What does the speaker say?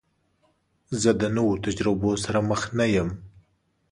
زه د نوو تجربو سره مخ نه یم.